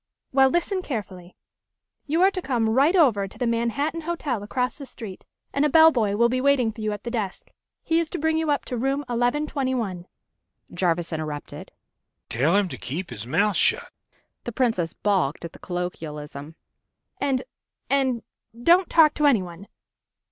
Well, listen carefully. You are to come right over to the Manhattan Hotel across the street and a bellboy will be waiting for you at the desk. He is to bring you up to room 1121." Jarvis interrupted: "Tell him to keep his mouth shut!" The Princess balked at the colloquialism. "And and don't talk to anyone